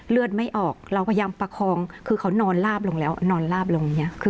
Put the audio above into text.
เลือดไม่ออกเราพยายามประคองคือเขานอนลาบลงแล้วนอนลาบลงอย่างนี้